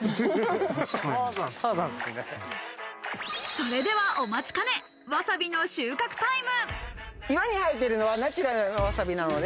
それではお待ちかね、わさびの収穫タイム。